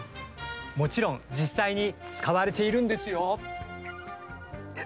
もちろん、実際に使われているんですよ。